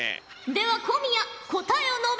では小宮答えを述べよ！